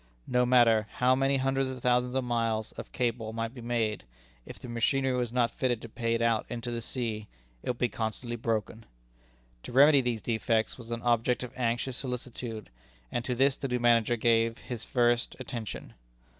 No matter how many hundreds or thousands of miles of cable might be made, if the machinery was not fitted to pay it out into the sea, it would be constantly broken. To remedy these defects was an object of anxious solicitude, and to this the new manager gave his first attention.